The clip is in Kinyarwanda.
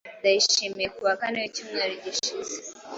Ndayishimiye kuwa kane w'icyumweru gishize